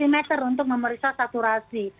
meter untuk memeriksa saturasi